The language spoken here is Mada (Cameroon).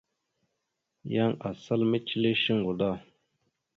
Yan asal mecəle shuŋgo da.